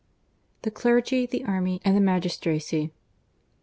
THE CLERGY, THE ARMY, AND THE MAGISTRACY.